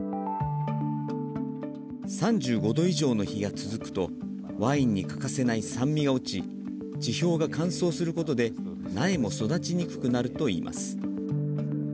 ３５度以上の日が続くとワインに欠かせない酸味が落ち地表が乾燥することで苗も育ちにくくなるといいます。